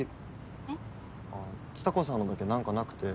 えっ？あっ蔦子さんのだけなんかなくて。